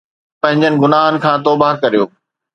پنھنجن گناھن کان توبه ڪريو